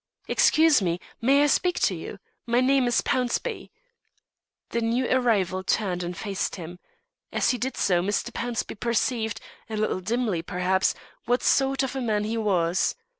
"Excuse me, may I speak to you? My name is Pownceby." The new arrival turned and faced him. As he did so Mr. Pownceby perceived, a little dimly perhaps, what sort of a man he was.